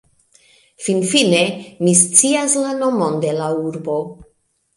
Finfine, mi scias la nomon de la urbo